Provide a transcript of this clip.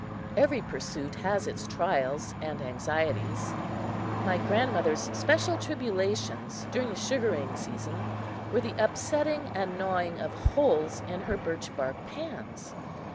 Every pursuit has its trials and anxieties. My grandmother's special tribulations, during the sugaring season, were the upsetting and gnawing of holes in her birch bark pans.